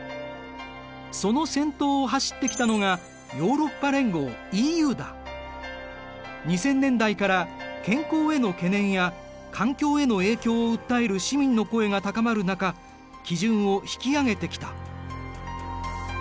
その先頭を走ってきたのが２０００年代から健康への懸念や環境への影響を訴える市民の声が高まる中基準を引き上げてきた。